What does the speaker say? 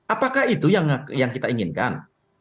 apakah itu yang kita inginkan